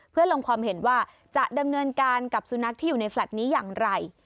เพื่อลงความเห็นว่าจะดำเนินการกับสุนัขที่อยู่ในแฟลต์นี้อย่างไร